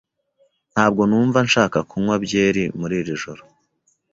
Ntabwo numva nshaka kunywa byeri muri iri joro.